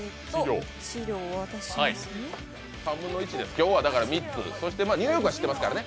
今日は３つ、そしてニューヨークは知ってますからね。